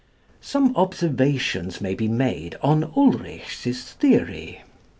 Some observations may be made on Ulrichs' theory.